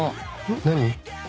何？